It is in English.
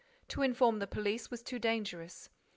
To inform the police was too dangerous.